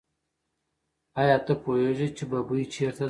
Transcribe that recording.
آیا ته پوهېږې چې ببۍ چېرته ده؟